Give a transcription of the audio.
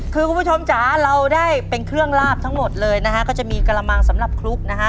คือคุณผู้ชมจ๋าเราได้เป็นเครื่องลาบทั้งหมดเลยนะฮะก็จะมีกระมังสำหรับคลุกนะฮะ